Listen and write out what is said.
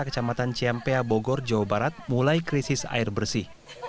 kecamatan ciampea bogor jawa barat mulai krisis air bersih